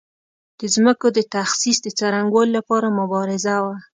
د ځمکو د تخصیص د څرنګوالي لپاره مبارزه وه.